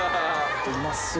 うまそう。